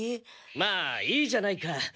まあいいじゃないか！